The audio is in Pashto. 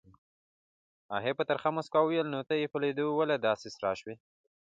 هغې په ترخه موسکا وویل نو ته یې په لیدو ولې داسې سره شوې؟